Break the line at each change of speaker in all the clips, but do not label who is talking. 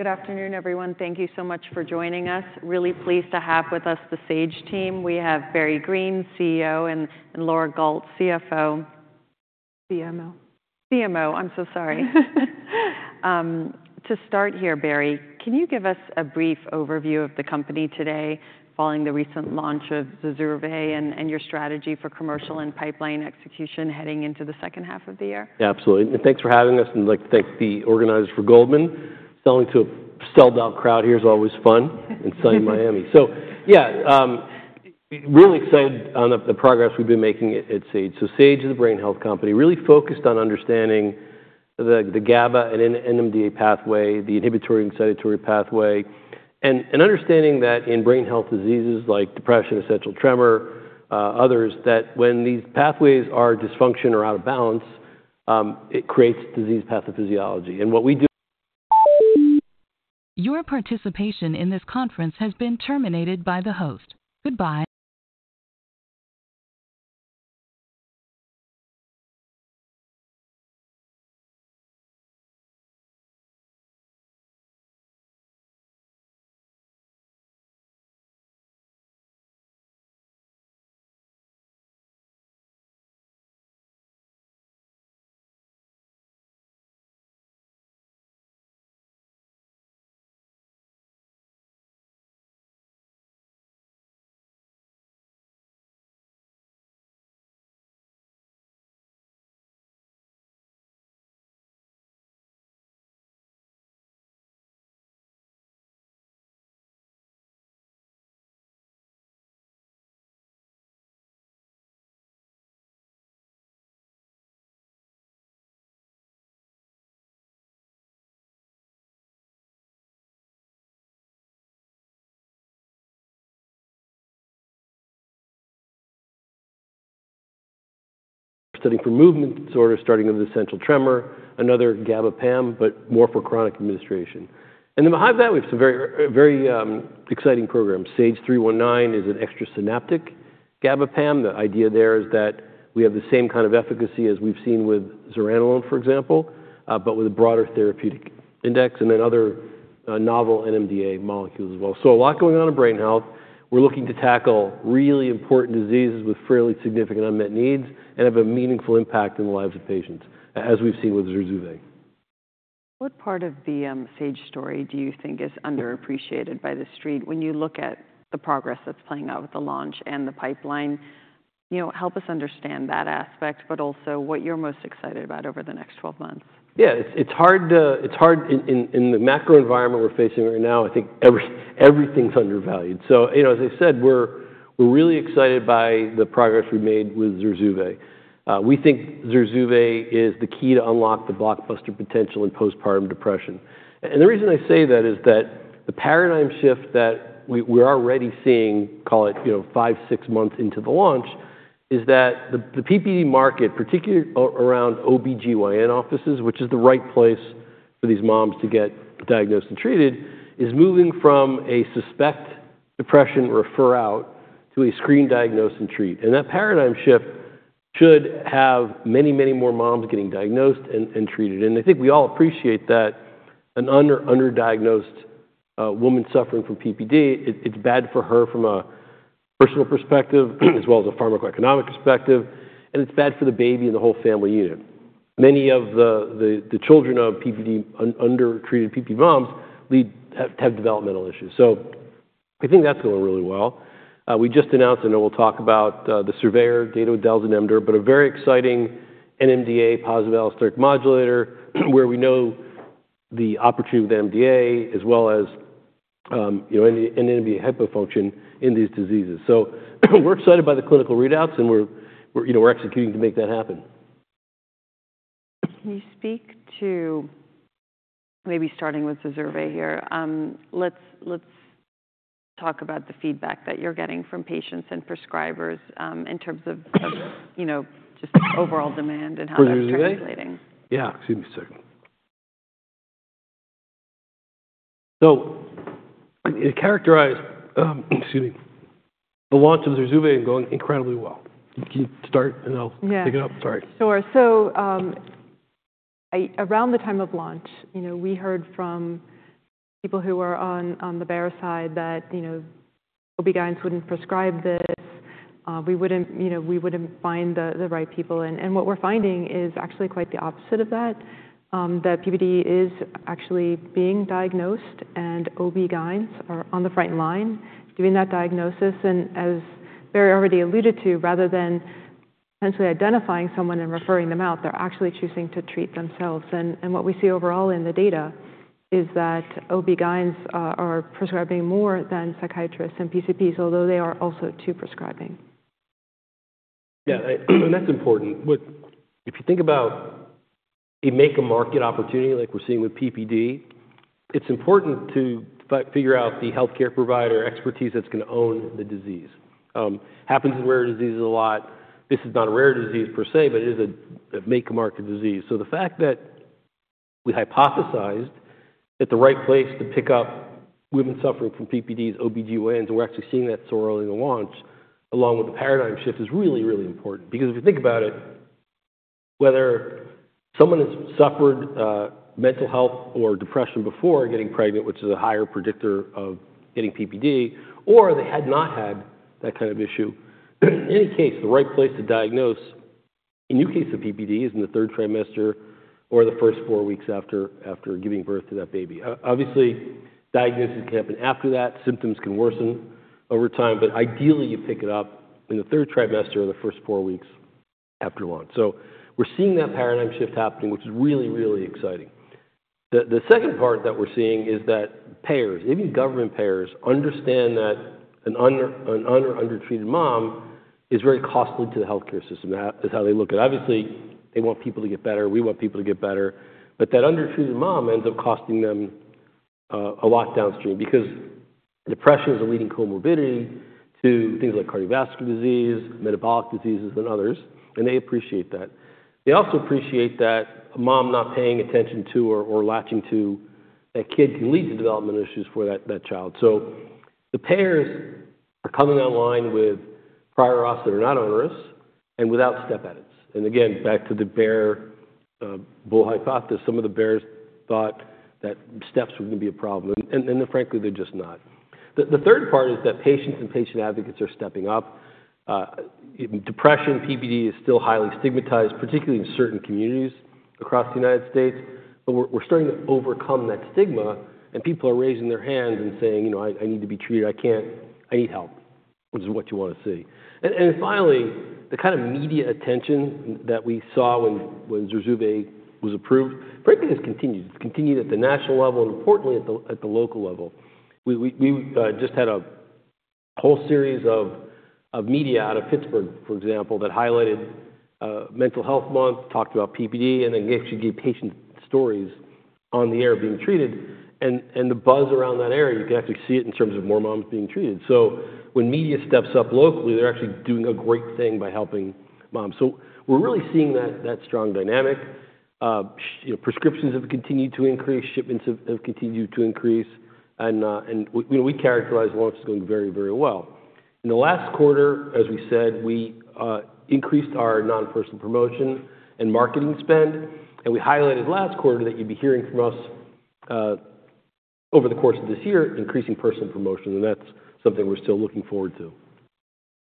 Good afternoon, everyone. Thank you so much for joining us. Really pleased to have with us the Sage team. We have Barry Greene, CEO, and Laura Gault, CMO.
Laura Gault [CMO] (Sage Therapeutics)
CMO, I'm so sorry. To start here, Barry, can you give us a brief overview of the company today, following the recent launch of ZURZUVAE and your strategy for commercial and pipeline execution heading into the second half of the year?
Absolutely. Thanks for having us. I'd like to thank the organizers for Goldman. Speaking to a sold-out crowd here is always fun in sunny Miami. So yeah, really excited on the progress we've been making at Sage. So Sage is a brain health company, really focused on understanding the GABA and NMDA pathway, the inhibitory and excitatory pathway, and understanding that in brain health diseases like depression, essential tremor, others, that when these pathways are dysfunctional or out of balance, it creates disease pathophysiology. And what we do.
Your participation in this conference has been terminated by the host. Goodbye.
Study for movement disorder, starting with essential tremor, another GABA/PAM, but more for chronic administration. And then behind that, we have some very exciting programs. SAGE-319 is an extra-synaptic GABA/PAM. The idea there is that we have the same kind of efficacy as we've seen with zuranolone, for example, but with a broader therapeutic index and then other novel NMDA molecules as well. So a lot going on in brain health. We're looking to tackle really important diseases with fairly significant unmet needs and have a meaningful impact in the lives of patients, as we've seen with ZURZUVAE.
What part of the Sage story do you think is underappreciated by the street when you look at the progress that's playing out with the launch and the pipeline? Help us understand that aspect, but also what you're most excited about over the next 12 months.
Yeah, it's hard. In the macro environment we're facing right now, I think everything's undervalued. So as I said, we're really excited by the progress we've made with ZURZUVAE We think ZURZUVAE is the key to unlock the blockbuster potential in postpartum depression. And the reason I say that is that the paradigm shift that we're already seeing, call it five, six months into the launch, is that the PPD market, particularly around OB-GYN offices, which is the right place for these moms to get diagnosed and treated, is moving from a suspect depression refer out to a screen diagnose and treat. And that paradigm shift should have many, many more moms getting diagnosed and treated. And I think we all appreciate that an underdiagnosed woman suffering from PPD, it's bad for her from a personal perspective as well as a pharmacoeconomic perspective. And it's bad for the baby and the whole family unit. Many of the children of PPD, undertreated PPD moms, have developmental issues. So I think that's going really well. We just announced, I know we'll talk about the SURVEYOR data with dalzanemdor, but a very exciting NMDA positive allosteric modulator where we know the opportunity with NMDA as well as NMDA hypofunction in these diseases. So we're excited by the clinical readouts, and we're executing to make that happen.
Can you speak to, maybe starting with ZURZUVAE here, let's talk about the feedback that you're getting from patients and prescribers in terms of just overall demand and how that's translating?
Yeah, excuse me a second. The launch of ZURZUVAE is going incredibly well.
Can you start and I'll pick it up? Sorry. Sure. So around the time of launch, we heard from people who were on the bear side that OB-GYNs wouldn't prescribe this. We wouldn't find the right people. And what we're finding is actually quite the opposite of that, that PPD is actually being diagnosed and OB-GYNs are on the front line doing that diagnosis. And as Barry already alluded to, rather than potentially identifying someone and referring them out, they're actually choosing to treat themselves. And what we see overall in the data is that OB-GYNs are prescribing more than psychiatrists and PCPs, although they are also too prescribing.
Yeah, and that's important. If you think about a make-a-market opportunity like we're seeing with PPD, it's important to figure out the healthcare provider expertise that's going to own the disease. Happens in rare diseases a lot. This is not a rare disease per se, but it is a make-a-market disease. So the fact that we hypothesized at the right place to pick up women suffering from PPD's OB-GYNs, and we're actually seeing that so early in the launch, along with the paradigm shift, is really, really important. Because if you think about it, whether someone has suffered mental health or depression before getting pregnant, which is a higher predictor of getting PPD, or they had not had that kind of issue, in any case, the right place to diagnose a new case of PPD is in the third trimester or the first four weeks after giving birth to that baby. Obviously, diagnosis can happen after that. Symptoms can worsen over time, but ideally you pick it up in the third trimester or the first four weeks after birth. So we're seeing that paradigm shift happening, which is really, really exciting. The second part that we're seeing is that payers, even government payers, understand that an undertreated mom is very costly to the healthcare system. That is how they look at it. Obviously, they want people to get better. We want people to get better. But that undertreated mom ends up costing them a lot downstream because depression is a leading comorbidity to things like cardiovascular disease, metabolic diseases, and others. And they appreciate that. They also appreciate that a mom not paying attention to or latching to that kid can lead to developmental issues for that child. So the payers are coming online with prior authority that are not onerous and without step edits. And again, back to the bear bull hypothesis, some of the bears thought that steps were going to be a problem. And then frankly, they're just not. The third part is that patients and patient advocates are stepping up. Depression, PPD is still highly stigmatized, particularly in certain communities across the United States. But we're starting to overcome that stigma, and people are raising their hands and saying, "I need to be treated. I need help," which is what you want to see. Finally, the kind of media attention that we saw when ZURZUVAE was approved, frankly, has continued. It's continued at the national level and importantly at the local level. We just had a whole series of media out of Pittsburgh, for example, that highlighted Mental Health Month, talked about PPD, and then actually gave patient stories on the air being treated. The buzz around that area, you can actually see it in terms of more moms being treated. So when media steps up locally, they're actually doing a great thing by helping moms. So we're really seeing that strong dynamic. Prescriptions have continued to increase. Shipments have continued to increase. We characterize launches going very, very well. In the last quarter, as we said, we increased our non-personal promotion and marketing spend. We highlighted last quarter that you'd be hearing from us over the course of this year, increasing personal promotion. That's something we're still looking forward to.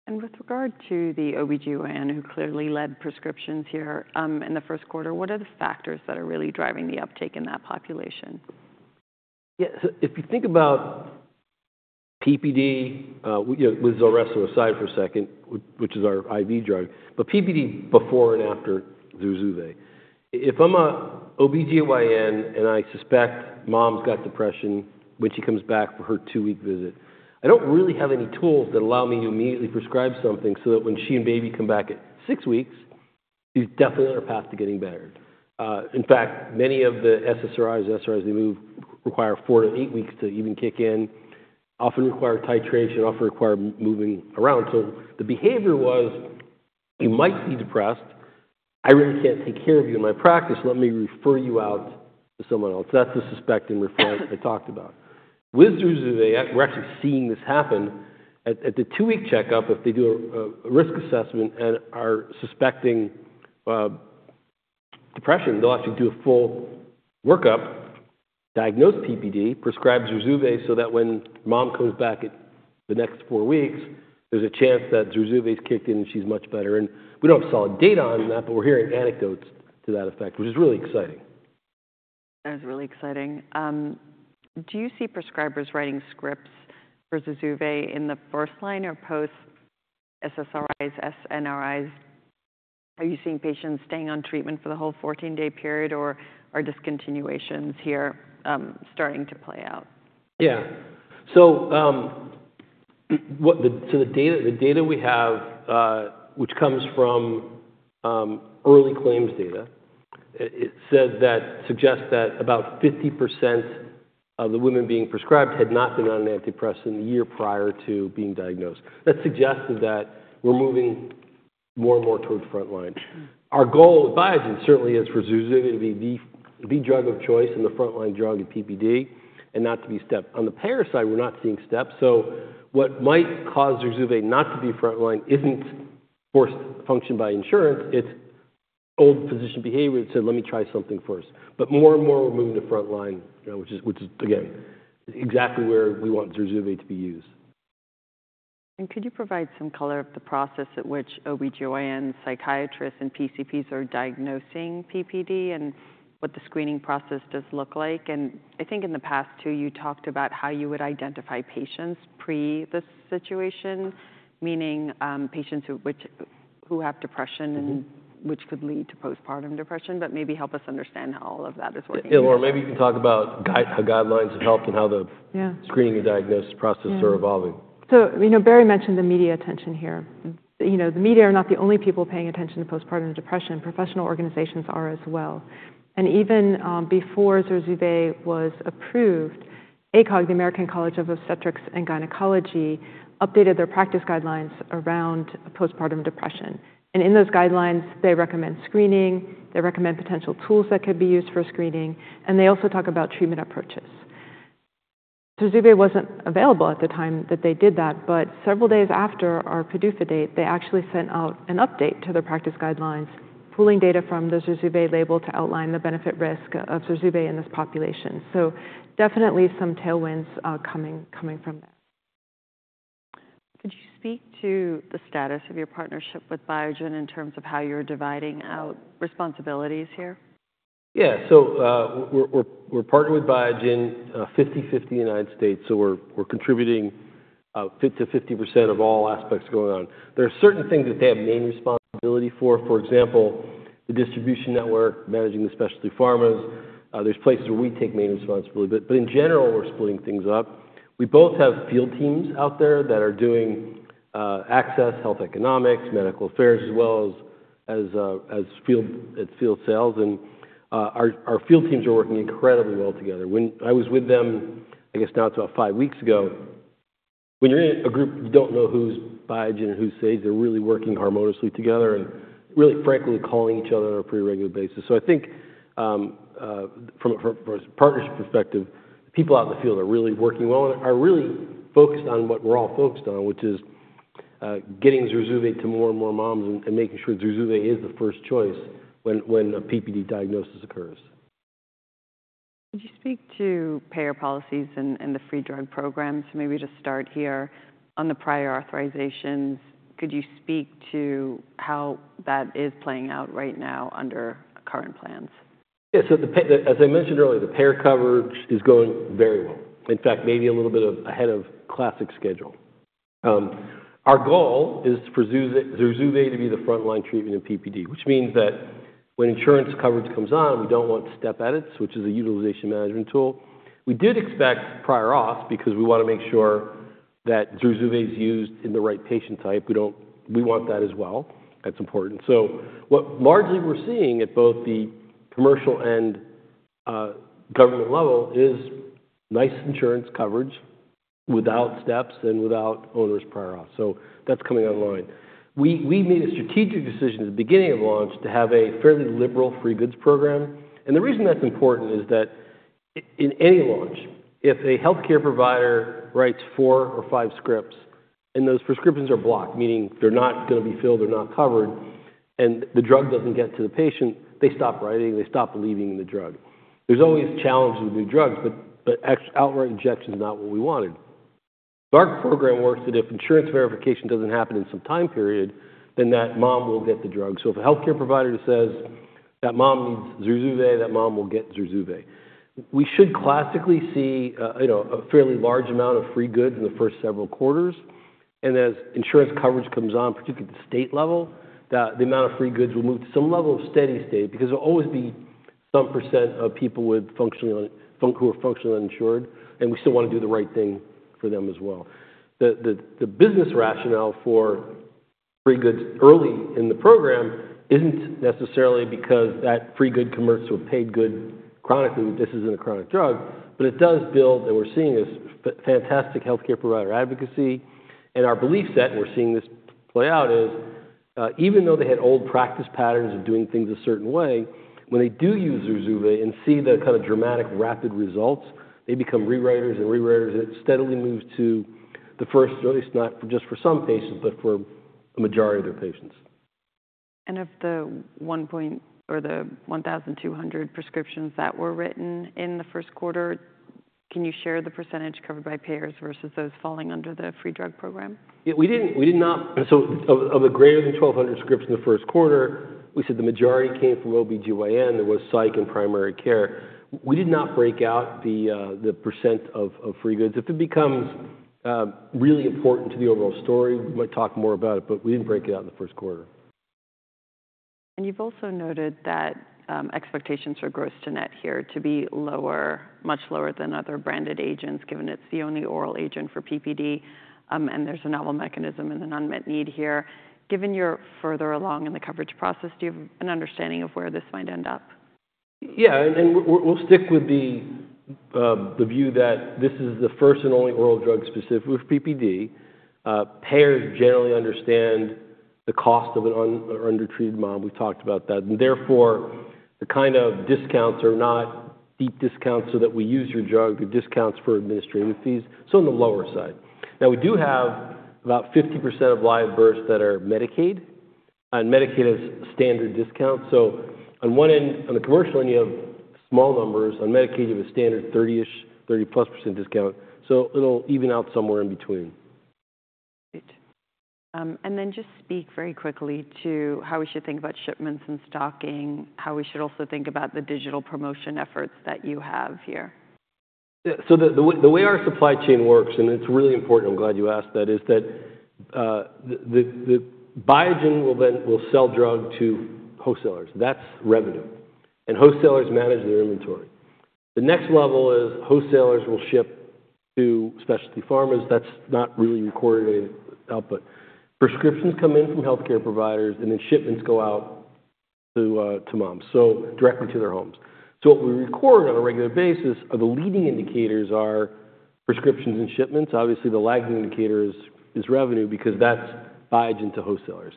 With regard to the OB-GYN who clearly led prescriptions here in the first quarter, what are the factors that are really driving the uptake in that population?
Yeah, if you think about PPD, with ZULRESSO aside for a second, which is our IV drug, but PPD before and after ZURZUVAE. If I'm an OB-GYN and I suspect mom's got depression when she comes back for her 2-week visit, I don't really have any tools that allow me to immediately prescribe something so that when she and baby come back at 6 weeks, she's definitely on her path to getting better. In fact, many of the SSRIs, SRIs they move, require 4-8 weeks to even kick in, often require titration, often require moving around. So the behavior was, "You might be depressed. I really can't take care of you in my practice. Let me refer you out to someone else." That's the suspect and referrals I talked about. With ZURZUVAE, we're actually seeing this happen. At the two-week checkup, if they do a risk assessment and are suspecting depression, they'll actually do a full workup, diagnose PPD, prescribe ZURZUVAE so that when mom comes back at the next four weeks, there's a chance that ZURZUVAE's kicked in and she's much better. We don't have solid data on that, but we're hearing anecdotes to that effect, which is really exciting.
That is really exciting. Do you see prescribers writing scripts for ZURZUVAE in the first line or post-SSRIs, SNRIs? Are you seeing patients staying on treatment for the whole 14-day period, or are discontinuations here starting to play out?
Yeah. So the data we have, which comes from early claims data, suggests that about 50% of the women being prescribed had not been on an antidepressant the year prior to being diagnosed. That suggests that we're moving more and more towards front line. Our goal with Biogen certainly is for ZURZUVAE to be the drug of choice and the frontline drug in PPD and not to be stepped. On the payer side, we're not seeing steps. So what might cause ZURZUVAE not to be frontline isn't forcing function by insurance. It's old physician behavior that said, "Let me try something first." But more and more we're moving to frontline, which is, again, exactly where we want ZURZUVAE to be used.
Could you provide some color of the process at which OB-GYNs, psychiatrists, and PCPs are diagnosing PPD and what the screening process does look like? I think in the past too, you talked about how you would identify patients pre this situation, meaning patients who have depression and which could lead to postpartum depression, but maybe help us understand how all of that is working. Maybe you can talk about guidelines of health and how the screening and diagnosis process are evolving.
So Barry mentioned the media attention here. The media are not the only people paying attention to postpartum depression. Professional organizations are as well. And even before ZURZUVAE was approved, ACOG, the American College of Obstetricians and Gynecologists, updated their practice guidelines around postpartum depression. And in those guidelines, they recommend screening. They recommend potential tools that could be used for screening. And they also talk about treatment approaches. ZURZUVAE wasn't available at the time that they did that, but several days after our PDUFA date, they actually sent out an update to their practice guidelines, pulling data from the ZURZUVAE label to outline the benefit-risk of ZURZUVAE in this population. So definitely some tailwinds coming from that.
Could you speak to the status of your partnership with Biogen in terms of how you're dividing out responsibilities here?
Yeah, so we're partnered with Biogen 50/50 in the United States. So we're contributing 50% of all aspects going on. There are certain things that they have main responsibility for. For example, the distribution network, managing the specialty pharmas. There's places where we take main responsibility. But in general, we're splitting things up. We both have field teams out there that are doing access, health economics, medical affairs, as well as field sales. And our field teams are working incredibly well together. When I was with them, I guess now it's about five weeks ago, when you're in a group, you don't know who's Biogen and who's Sage. They're really working harmoniously together and really frankly calling each other on a pretty regular basis. I think from a partnership perspective, the people out in the field are really working well and are really focused on what we're all focused on, which is getting ZURZUVAE to more and more moms and making sure ZURZUVAE is the first choice when a PPD diagnosis occurs.
Could you speak to payer policies and the free drug programs? So maybe to start here on the prior authorizations, could you speak to how that is playing out right now under current plans?
Yeah, so as I mentioned earlier, the payer coverage is going very well. In fact, maybe a little bit ahead of classic schedule. Our goal is for ZURZUVAE to be the frontline treatment in PPD, which means that when insurance coverage comes on, we don't want step edits, which is a utilization management tool. We did expect prior auth because we want to make sure that ZURZUVAE is used in the right patient type. We want that as well. That's important. So what largely we're seeing at both the commercial and government level is nice insurance coverage without steps and without onerous prior auth. So that's coming online. We made a strategic decision at the beginning of launch to have a fairly liberal free goods program. The reason that's important is that in any launch, if a healthcare provider writes four or five scripts and those prescriptions are blocked, meaning they're not going to be filled, they're not covered, and the drug doesn't get to the patient, they stop writing, they stop believing in the drug. There's always challenges with new drugs, but outright rejection is not what we wanted. Our program works that if insurance verification doesn't happen in some time period, then that mom will get the drug. So if a healthcare provider says that mom needs ZURZUVAE, that mom will get ZURZUVAE. We should classically see a fairly large amount of free goods in the first several quarters. As insurance coverage comes on, particularly at the state level, the amount of free goods will move to some level of steady state because there'll be some percent of people who are functionally uninsured, and we still want to do the right thing for them as well. The business rationale for free goods early in the program isn't necessarily because that free good converts to a paid good chronically. This isn't a chronic drug, but it does build, and we're seeing this fantastic healthcare provider advocacy. Our belief set, and we're seeing this play out, is even though they had old practice patterns of doing things a certain way, when they do use ZURZUVAE and see the kind of dramatic rapid results, they become rewriters and rewriters, and it steadily moves to the first, at least not just for some patients, but for the majority of their patients.
Of the 1,200 prescriptions that were written in the first quarter, can you share the percentage covered by payers versus those falling under the free drug program?
Yeah, we did not. So of the greater than 1,200 scripts in the first quarter, we said the majority came from OB-GYN. There was psych and primary care. We did not break out the percent of free goods. If it becomes really important to the overall story, we might talk more about it, but we didn't break it out in the first quarter.
You've also noted that expectations for gross to net here to be lower, much lower than other branded agents, given it's the only oral agent for PPD, and there's a novel mechanism and an unmet need here. Given you're further along in the coverage process, do you have an understanding of where this might end up?
Yeah, and we'll stick with the view that this is the first and only oral drug specific with PPD. Payers generally understand the cost of an undertreated mom. We've talked about that. And therefore, the kind of discounts are not deep discounts so that we use your drug, the discounts for administrative fees. So on the lower side. Now, we do have about 50% of live births that are Medicaid, and Medicaid has standard discounts. So on the commercial end, you have small numbers. On Medicaid, you have a standard 30%-ish, 30+% discount. So it'll even out somewhere in between.
Great. Then just speak very quickly to how we should think about shipments and stocking, how we should also think about the digital promotion efforts that you have here.
So the way our supply chain works, and it's really important, I'm glad you asked that, is that Biogen will sell drug to wholesalers. That's revenue. Wholesalers manage their inventory. The next level is wholesalers will ship to specialty pharmas. That's not really recorded output. Prescriptions come in from healthcare providers, and then shipments go out to moms, so directly to their homes. So what we record on a regular basis are the leading indicators are prescriptions and shipments. Obviously, the lagging indicator is revenue because that's biased into wholesalers.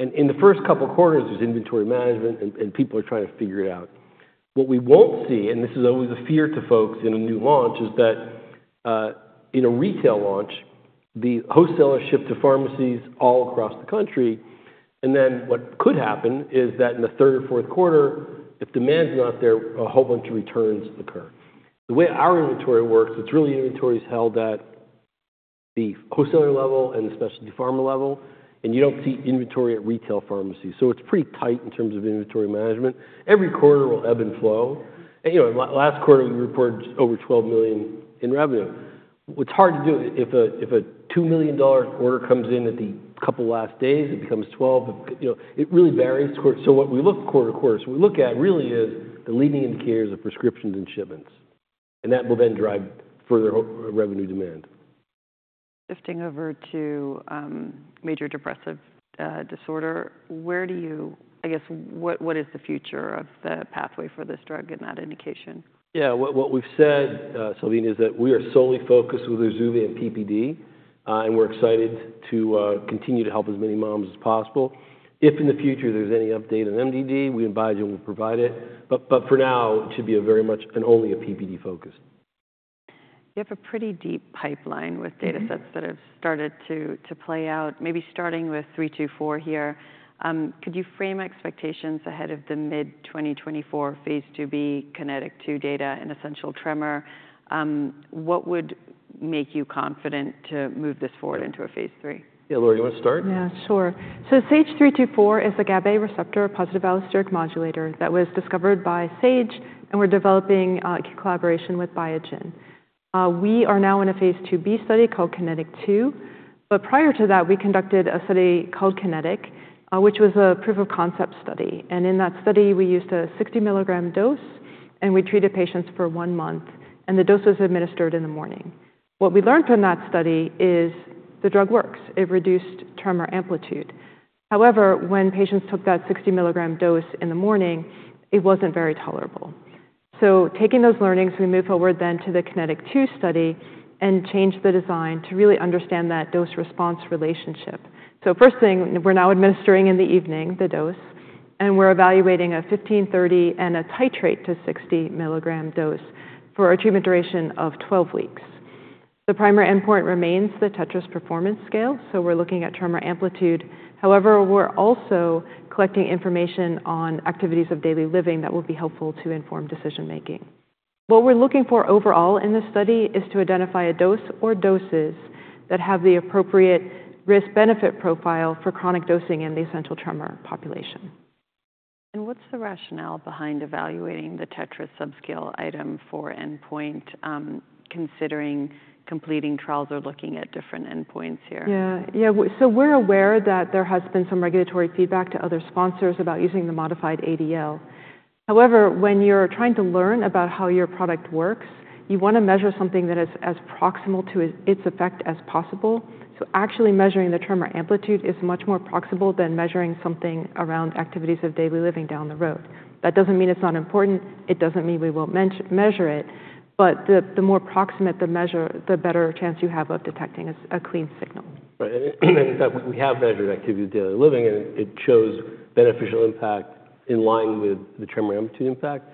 In the first couple of quarters, there's inventory management, and people are trying to figure it out. What we won't see, and this is always a fear to folks in a new launch, is that in a retail launch, the wholesalers ship to pharmacies all across the country. Then what could happen is that in the third or fourth quarter, if demand's not there, a whole bunch of returns occur. The way our inventory works, it's really inventory is held at the wholesaler level and the specialty pharma level, and you don't see inventory at retail pharmacies. So it's pretty tight in terms of inventory management. Every quarter will ebb and flow. Last quarter, we reported over $12 million in revenue. It's hard to do. If a $2 million order comes in at the couple last days, it becomes $12 million. It really varies. So what we look for quarter to quarter, so we look at really is the leading indicators of prescriptions and shipments, and that will then drive further revenue demand.
Shifting over to Major Depressive Disorder, where do you, I guess, what is the future of the pathway for this drug in that indication?
Yeah, what we've said, Salveen, is that we are solely focused with ZURZUVAE and PPD, and we're excited to continue to help as many moms as possible. If in the future there's any update in MDD, we and Biogen will provide it. But for now, it should be very much and only a PPD focus.
You have a pretty deep pipeline with datasets that have started to play out, maybe starting with SAGE-324 here. Could you frame expectations ahead of the mid-2024 phase 2b KINETIC 2 data and essential tremor? What would make you confident to move this forward into a phase 3?
Yeah, Laura, do you want to start?
Yeah, sure. So SAGE-324 is a GABA receptor, a positive allosteric modulator that was discovered by Sage and we're developing a collaboration with Biogen. We are now in a phase 2b study called Kinetic 2, but prior to that, we conducted a study called KINETIC, which was a proof of concept study. And in that study, we used a 60-milligram dose, and we treated patients for one month, and the dose was administered in the morning. What we learned from that study is the drug works. It reduced tremor amplitude. However, when patients took that 60-milligram dose in the morning, it wasn't very tolerable. So taking those learnings, we move forward then to the Kinetic 2 study and change the design to really understand that dose-response relationship. So first thing, we're now administering in the evening the dose, and we're evaluating a 15/30 and a titrate to 60-mg dose for a treatment duration of 12 weeks. The primary endpoint remains the TETRAS performance scale, so we're looking at tremor amplitude. However, we're also collecting information on activities of daily living that will be helpful to inform decision-making. What we're looking for overall in this study is to identify a dose or doses that have the appropriate risk-benefit profile for chronic dosing in the Essential Tremor population.
What's the rationale behind evaluating the TETRAS subscale item for endpoint, considering completing trials or looking at different endpoints here?
Yeah, yeah. So we're aware that there has been some regulatory feedback to other sponsors about using the modified ADL. However, when you're trying to learn about how your product works, you want to measure something that is as proximal to its effect as possible. So actually measuring the tremor amplitude is much more proximal than measuring something around activities of daily living down the road. That doesn't mean it's not important. It doesn't mean we won't measure it. But the more proximate the measure, the better chance you have of detecting a clean signal.
Right. In fact, we have measured activities of daily living, and it shows beneficial impact in line with the tremor amplitude impact.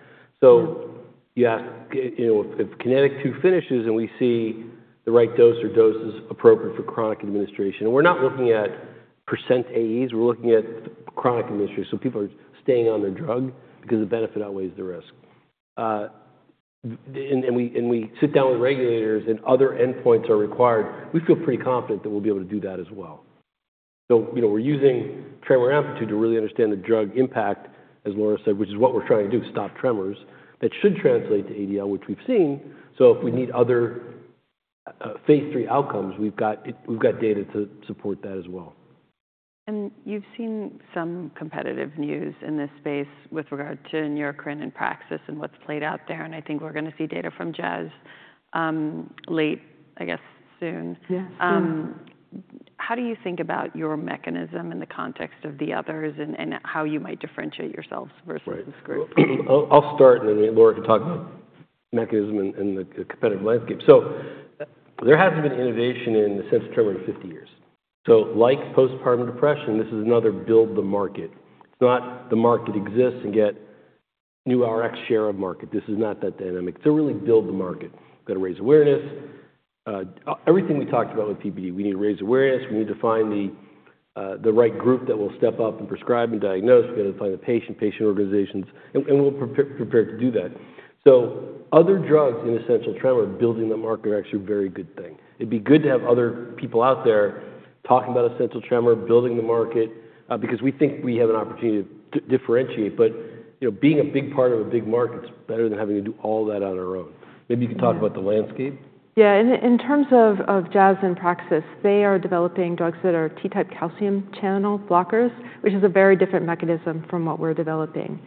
So you ask if KINETIC 2 finishes and we see the right dose or doses appropriate for chronic administration. We're not looking at % AEs. We're looking at chronic administration. So people are staying on their drug because the benefit outweighs the risk. We sit down with regulators and other endpoints are required. We feel pretty confident that we'll be able to do that as well. So we're using tremor amplitude to really understand the drug impact, as Laura said, which is what we're trying to do, stop tremors. That should translate to ADL, which we've seen. So if we need other phase 3 outcomes, we've got data to support that as well.
You've seen some competitive news in this space with regard to endocrine and Praxis and what's played out there. I think we're going to see data from Jazz late, I guess, soon. How do you think about your mechanism in the context of the others and how you might differentiate yourselves versus this group?
I'll start, and then Laura can talk about mechanism and the competitive landscape. So there hasn't been innovation in the sense of tremor in 50 years. So like postpartum depression, this is another build the market. It's not the market exists and get new Rx share of market. This is not that dynamic. It's really build the market. We've got to raise awareness. Everything we talked about with PPD, we need to raise awareness. We need to find the right group that will step up and prescribe and diagnose. We've got to find the patient, patient organizations, and we'll prepare to do that. So other drugs in essential tremor building the market are actually a very good thing. It'd be good to have other people out there talking about essential tremor, building the market, because we think we have an opportunity to differentiate. Being a big part of a big market, it's better than having to do all that on our own. Maybe you can talk about the landscape.
Yeah. In terms of Jazz and Praxis, they are developing drugs that are T-type calcium channel blockers, which is a very different mechanism from what we're developing.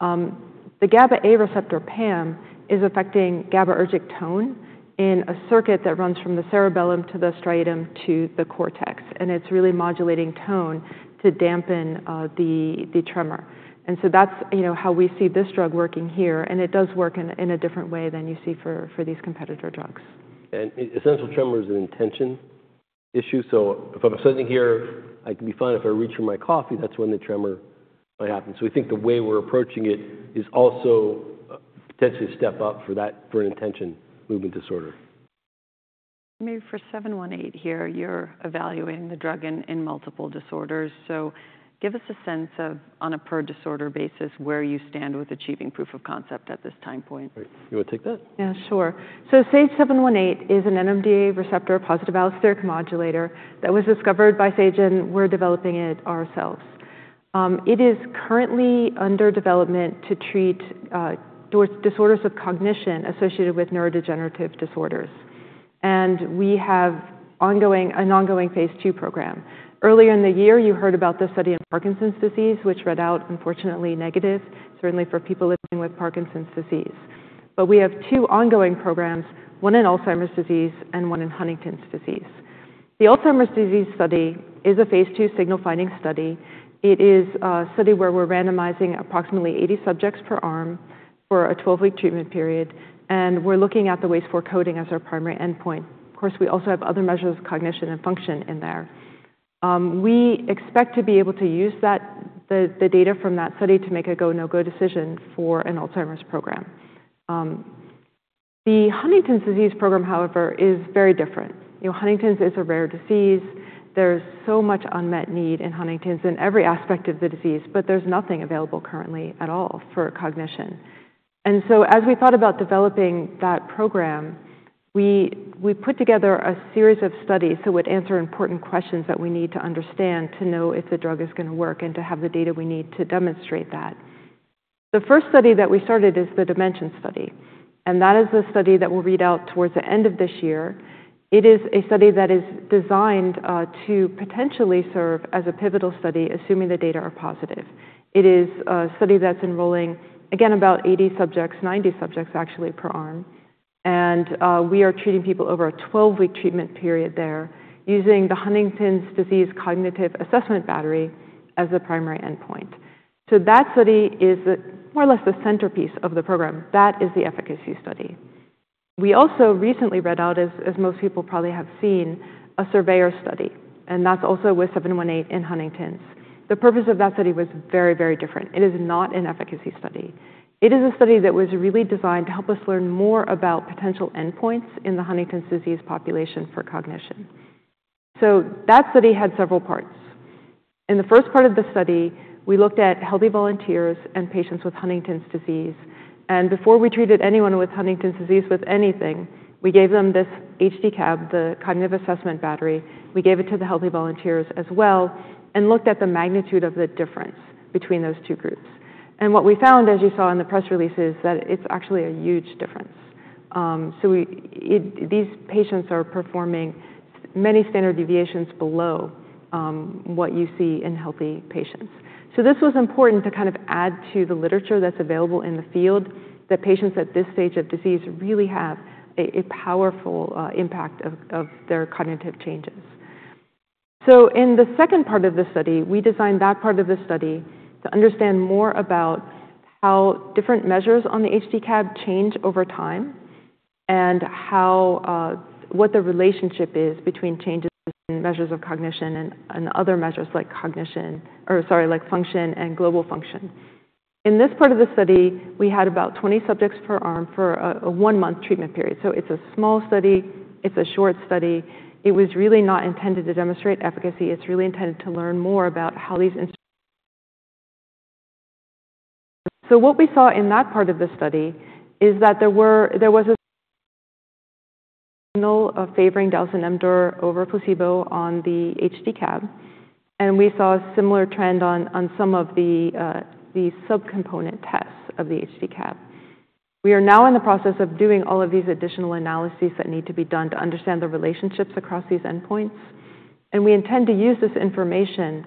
The GABA A receptor PAM is affecting GABAergic tone in a circuit that runs from the cerebellum to the striatum to the cortex. And it's really modulating tone to dampen the tremor. And so that's how we see this drug working here. And it does work in a different way than you see for these competitor drugs.
Essential tremor is an intention issue. So if I'm sitting here, I can be fine if I reach for my coffee. That's when the tremor might happen. So we think the way we're approaching it is also potentially a step up for that for an intention movement disorder.
Maybe for 718 here, you're evaluating the drug in multiple disorders. So give us a sense of, on a per-disorder basis, where you stand with achieving proof of concept at this time point?
You want to take that?
Yeah, sure. So SAGE-718 is an NMDA receptor positive allosteric modulator that was discovered by Sage and we're developing it ourselves. It is currently under development to treat disorders of cognition associated with neurodegenerative disorders. We have an ongoing phase 2 program. Earlier in the year, you heard about the study in Parkinson's disease, which read out unfortunately negative, certainly for people living with Parkinson's disease. But we have two ongoing programs, one in Alzheimer's disease and one in Huntington's disease. The Alzheimer's disease study is a phase 2 signal-finding study. It is a study where we're randomizing approximately 80 subjects per arm for a 12-week treatment period. And we're looking at the WAIS-IV coding as our primary endpoint. Of course, we also have other measures of cognition and function in there. We expect to be able to use the data from that study to make a go/no-go decision for an Alzheimer's program. The Huntington's disease program, however, is very different. Huntington's is a rare disease. There's so much unmet need in Huntington's in every aspect of the disease, but there's nothing available currently at all for cognition. And so as we thought about developing that program, we put together a series of studies that would answer important questions that we need to understand to know if the drug is going to work and to have the data we need to demonstrate that. The first study that we started is the DIMENSION Study. And that is the study that we'll read out towards the end of this year. It is a study that is designed to potentially serve as a pivotal study, assuming the data are positive. It is a study that's enrolling, again, about 80 subjects, 90 subjects actually per arm. We are treating people over a 12-week treatment period there using the Huntington's Disease Cognitive Assessment Battery as the primary endpoint. That study is more or less the centerpiece of the program. That is the efficacy study. We also recently read out, as most people probably have seen, a SURVEYOR study. That's also with 718 in Huntington's. The purpose of that study was very, very different. It is not an efficacy study. It is a study that was really designed to help us learn more about potential endpoints in the Huntington's disease population for cognition. That study had several parts. In the first part of the study, we looked at healthy volunteers and patients with Huntington's disease. Before we treated anyone with Huntington's disease with anything, we gave them this HD-CAB, the cognitive assessment battery. We gave it to the healthy volunteers as well and looked at the magnitude of the difference between those two groups. What we found, as you saw in the press release, is that it's actually a huge difference. These patients are performing many standard deviations below what you see in healthy patients. This was important to kind of add to the literature that's available in the field that patients at this stage of disease really have a powerful impact of their cognitive changes. So in the second part of the study, we designed that part of the study to understand more about how different measures on the HD-CAB change over time and what the relationship is between changes in measures of cognition and other measures like function and global function. In this part of the study, we had about 20 subjects per arm for a one-month treatment period. So it's a small study. It's a short study. It was really not intended to demonstrate efficacy. It's really intended to learn more about how these instruments. So what we saw in that part of the study is that there was a signal of favoring dalzanemdor over placebo on the HD-CAB. And we saw a similar trend on some of the subcomponent tests of the HD-CAB. We are now in the process of doing all of these additional analyses that need to be done to understand the relationships across these endpoints. We intend to use this information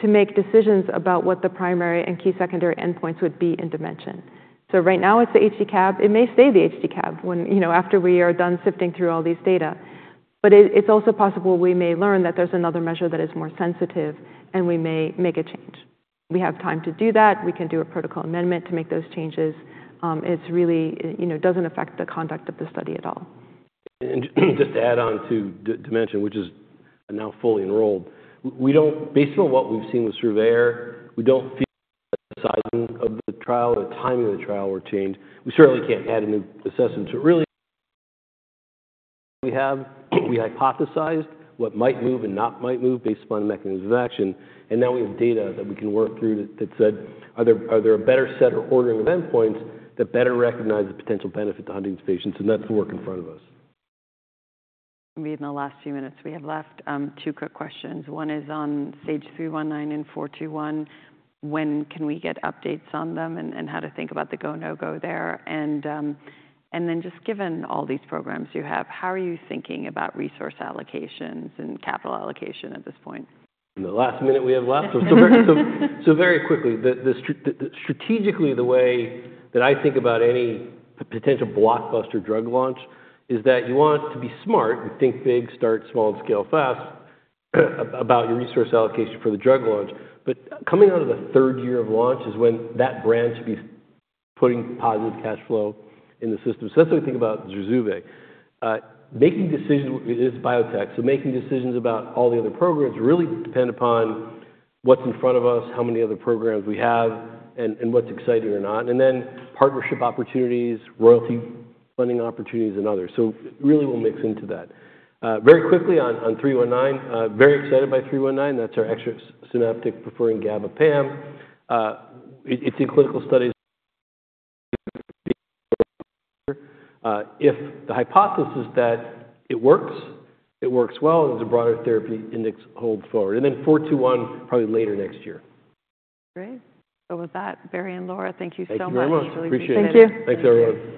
to make decisions about what the primary and key secondary endpoints would be in dementia. Right now, it's the HD-CAB. It may stay the HD-CAB after we are done sifting through all these data. It's also possible we may learn that there's another measure that is more sensitive, and we may make a change. We have time to do that. We can do a protocol amendment to make those changes. It really doesn't affect the conduct of the study at all.
Just to add on to DIMENSION, which is now fully enrolled, based on what we've seen with SURVEYOR, we don't feel that the sizing of the trial or the timing of the trial were changed. We certainly can't add a new assessment. Really, what we have, we hypothesized what might move and not might move based upon the mechanism of action. And now we have data that we can work through that said, are there a better set or ordering of endpoints that better recognize the potential benefit to Huntington's patients? And that's the work in front of us.
Maybe in the last few minutes we have left two quick questions. One is on SAGE-319 and SAGE-421. When can we get updates on them and how to think about the go/no-go there? And then just given all these programs you have, how are you thinking about resource allocations and capital allocation at this point?
In the last minute we have left. So very quickly, strategically, the way that I think about any potential blockbuster drug launch is that you want to be smart and think big, start small, and scale fast about your resource allocation for the drug launch. But coming out of the third year of launch is when that brand should be putting positive cash flow in the system. So that's how we think about ZURZUVAE. It is biotech. So making decisions about all the other programs really depend upon what's in front of us, how many other programs we have, and what's exciting or not. And then partnership opportunities, royalty funding opportunities, and others. So it really will mix into that. Very quickly on SAGE-319, very excited by SAGE-319. That's our extra synaptic preferring GABA/PAM. It's in clinical studies. If the hypothesis that it works, it works well. There's a broader therapeutic index going forward. Then 421, probably later next year.
Great. Well, with that, Barry and Laura, thank you so much.
Thank you very much. Appreciate it.
Thank you.
Thanks, everyone.